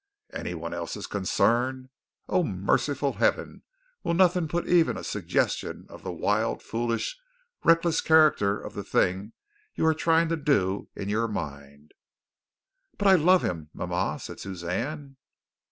Anyone else's concern! Oh, Merciful Heaven! Will nothing put even a suggestion of the wild, foolish, reckless character of the thing you are trying to do in your mind?" "But I love him, mama," said Suzanne.